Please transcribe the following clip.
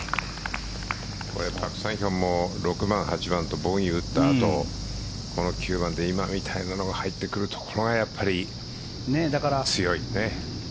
パク・サンヒョンも６番、８番とボギーを打ったあと、９番で今みたいのが入ってくるところがやっぱり強いね。